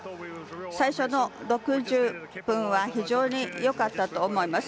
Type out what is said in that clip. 最初の６０分は非常によかったと思います。